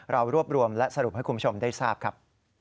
เรารวบรวมและสรุปให้คุณผู้ชมได้ทราบครับ